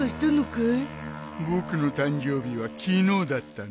僕の誕生日は昨日だったんだ。